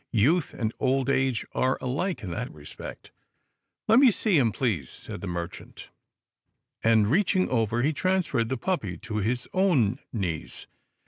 Youth and old age are alike in that respect." " Let me see him", please," said the merchant, and, GRAMPA'S DRIVE 139 reaching over, he transferred the puppy to his own knees.